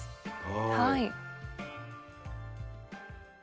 はい。